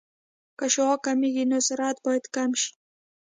که شعاع کمېږي نو سرعت باید کم شي